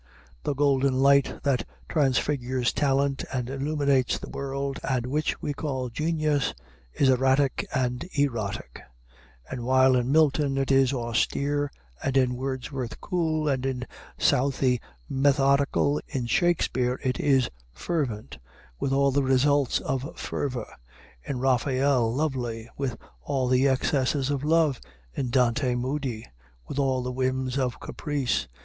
The golden light that transfigures talent and illuminates the world, and which we call genius, is erratic and erotic; and while in Milton it is austere, and in Wordsworth cool, and in Southey methodical, in Shakespeare it is fervent, with all the results of fervor; in Raphael lovely, with all the excesses of love; in Dante moody, with all the whims of caprice.